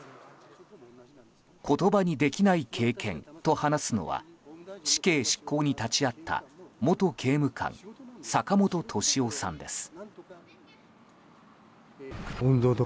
言葉にできない経験と話すのは死刑執行に立ち会った元刑務官・坂本敏夫さんです。